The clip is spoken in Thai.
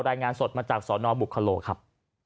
รายงานสดมาจากสนบุคโลครับ